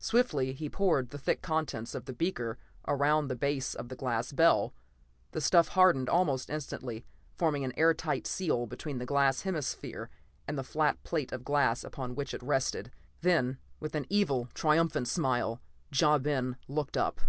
Swiftly he poured the thick contents of the beaker around the base of the glass bell. The stuff hardened almost instantly, forming an air tight seal between the glass hemisphere and the flat plate of glass upon which it rested. Then, with an evil, triumphant smile, Ja Ben looked up.